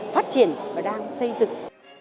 phát triển và đang xây dựng